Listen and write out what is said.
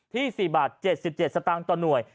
ที่๔๗๗บาทสตางค์ต่อหน่วย